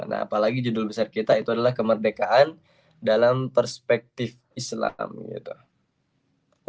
nah apalagi judul besar kita itu adalah kemerdekaan dalam perspektif islam gitu